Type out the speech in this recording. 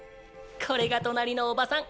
これが隣のおばさん。